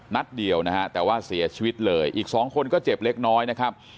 นัดเดียวนะฮะแต่ว่าเสียชีวิตเลยอีกสองคนก็เจ็บเล็กน้อยนะครับ